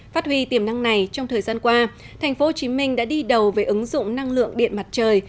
phát huy tiềm năng này trong thời gian qua thành phố hồ chí minh đã đi đầu với ứng dụng năng lượng điện mặt trời